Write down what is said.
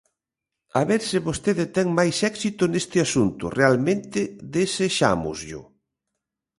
A ver se vostede ten máis éxito neste asunto; realmente, desexámosllo.